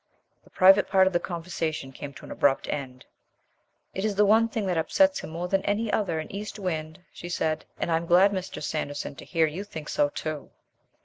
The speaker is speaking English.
The private part of the conversation came to an abrupt end. "It is the one thing that upsets him more than any other an east wind," she said, "and I am glad, Mr. Sanderson, to hear you think so too."